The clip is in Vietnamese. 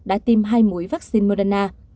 đã tìm hai mũi vaccine moderna